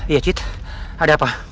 iya cid ada apa